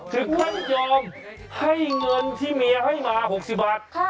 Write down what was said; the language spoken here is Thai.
เฮ้ยถึงก็ยอมให้เงินที่เมียให้มา๖๐บาท